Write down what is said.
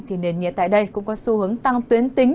thì nền nhiệt tại đây cũng có xu hướng tăng tuyến tính